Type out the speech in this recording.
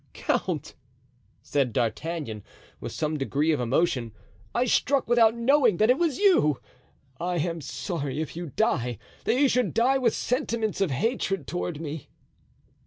"Count!" said D'Artagnan, with some degree of emotion, "I struck without knowing that it was you. I am sorry, if you die, that you should die with sentiments of hatred toward me."